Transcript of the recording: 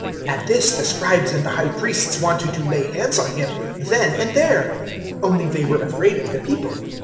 020:019 At this the Scribes and the High Priests wanted to lay hands on Him, then and there; only they were afraid of the people.